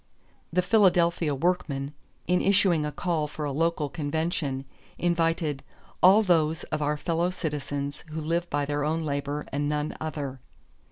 The Philadelphia workmen, in issuing a call for a local convention, invited "all those of our fellow citizens who live by their own labor and none other."